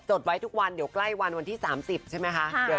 ดไว้ทุกวันเดี๋ยวใกล้วันวันที่๓๐ใช่ไหมคะ